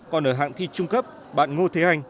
còn ở hạng thi trung cấp bạn ngô thế anh